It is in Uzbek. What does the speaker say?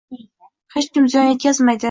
Hech kim ziyon yetkazmaydi